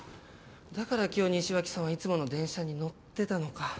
だから今日西脇さんはいつもの電車に乗ってたのか。